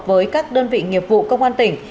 với các đơn vị nghiệp vụ công an tỉnh